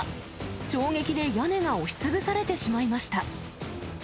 衝撃で屋根が押しつぶされてしまいました。